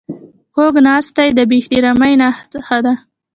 کوږ ناستی د بې احترامي نښه ده